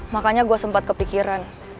makanya gue sempat kepikiran